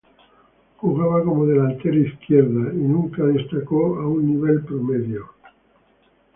Jugaba como Delantero por izquierda y nunca destacando a un nivel promedio.